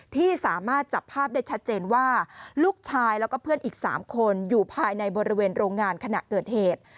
ที่สามารถจับภาพได้ชัดเจนว่าลูกชายแล้วก็เพื่อนอีก๓คนอยู่ภายในบริเวณโรงงานขณะเกิดเหตุ